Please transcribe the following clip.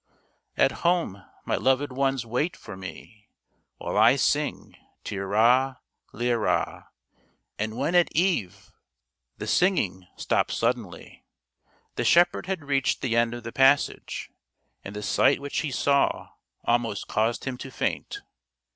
" At home my loved ones wait for me. While I sing tir ra, lir ra; And when at eve " The singing stopped suddenly. The shepherd had reached the end of the passage, and the sight which he saw almost caused him to faint.